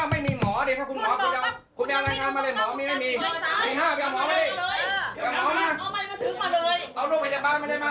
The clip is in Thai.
ไม่ได้อธิบายหรอครับ